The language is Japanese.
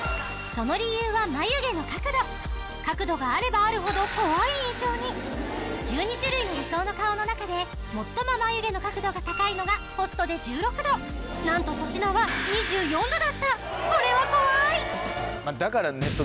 その理由は角度があればあるほど１２種類の理想の顔の中で最も眉毛の角度が高いのがホストで１６度なんと粗品は２４度だったこれは怖いだから。